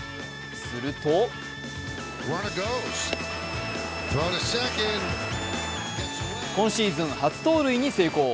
すると今シーズン初盗塁に成功。